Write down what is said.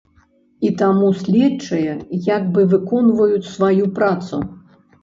І таму следчыя як бы выконваюць сваю працу.